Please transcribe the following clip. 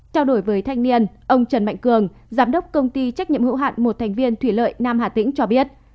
trao đổi với thanh niên ông trần mạnh cường giám đốc công ty trách nhiệm hữu hạn một thành viên thủy lợi nam hà tĩnh cho biết